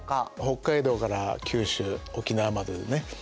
北海道から九州沖縄までね